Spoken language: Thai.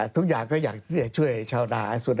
ทุกอย่างก็อยากที่จะช่วยชาวนาสุด